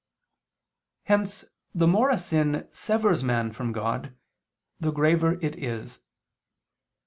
Hence the more a sin severs man from God, the graver it is.